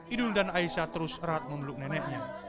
idul dan aisyah terus erat memeluk neneknya